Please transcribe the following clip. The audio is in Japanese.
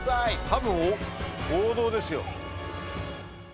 多分王道ですよ。